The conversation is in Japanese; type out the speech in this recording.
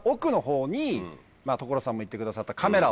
所さんも言ってくださった。